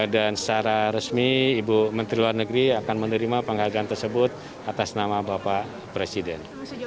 dan secara resmi ibu menteri luar negeri akan menerima penghargaan tersebut atas nama bapak presiden